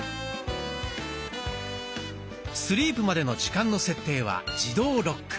スリープまでの時間の設定は「自動ロック」。